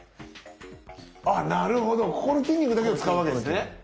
ああなるほどここの筋肉だけを使うわけですね。